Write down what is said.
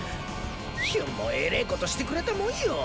ヒュンもえれぇことしてくれたもんよぉ。